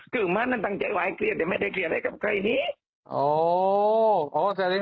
คือมันนั้นตั้งใจว่าไอ้เกลียดแต่ไม่ได้เกลียดอะไร